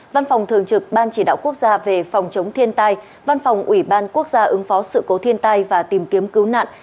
văn phòng thường trực ban chỉ đạo quốc gia về phòng chống thiên tai văn phòng ủy ban quốc gia ứng phó sự cố thiên tai và tìm kiếm cứu nạn